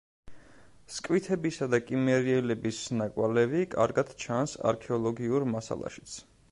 სკვითებისა და კიმერიელების ნაკვალევი კარგად ჩანს არქეოლოგიურ მასალაშიც.